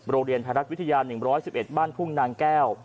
โรงเรียนไทยรัฐวิทยา๑๑๑บ้านทุ่งนางแก้ว